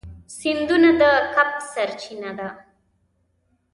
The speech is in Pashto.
سیندونه د کب سرچینه ده.